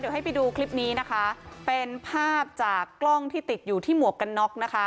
เดี๋ยวให้ไปดูคลิปนี้นะคะเป็นภาพจากกล้องที่ติดอยู่ที่หมวกกันน็อกนะคะ